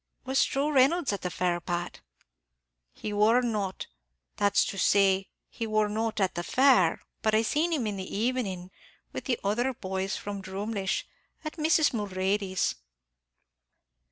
"Was Joe Reynolds at the fair, Pat?" "He wor not; that's to say, he wor not at the fair, but I seen him in the evening, with the other boys from Drumleesh, at Mrs. Mulready's."